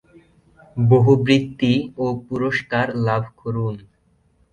বহু বৃত্তি ও পুরস্কার লাভ করেন।